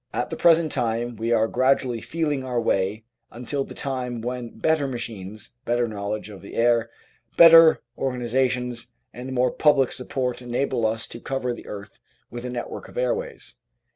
At the present time we are gradually feeling our way, until the time when better machines, better knowledge of the air, better organi sations, and more public support enable us to cover the earth with a network of airways.